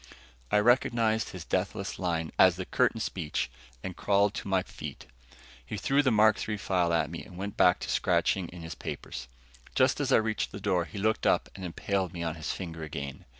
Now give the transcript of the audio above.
I recognized this deathless line as the curtain speech and crawled to my feet. He threw the Mark III file at me and went back to scratching in his papers. Just as I reached the door, he looked up and impaled me on his finger again.